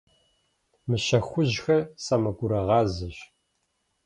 Мыщэ хужьхэр сэмэгурыгъазэщ.